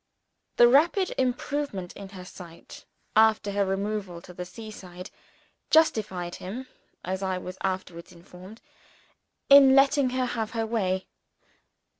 The rapid improvement in her sight, after her removal to the sea side, justified him (as I was afterwards informed) in letting her have her way.